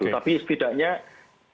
tapi setidaknya data juga